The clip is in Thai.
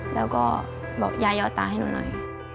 แล้วก็บอกย่ายอดตาให้หนูหน่อย